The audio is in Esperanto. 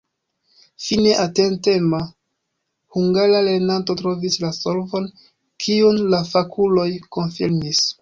Fine atentema hungara lernanto trovis la solvon, kiun la fakuloj konfirmis.